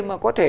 mà có thể